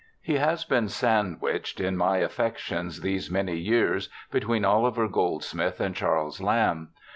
He has been sandwiched in my affections these many years between Oliver Goldsmith and Charles Lamb.